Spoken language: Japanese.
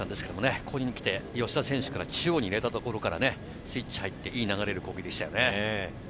ここに来て吉田選手から中央に入れたところから、スイッチが入っていい流れる攻撃でしたよね。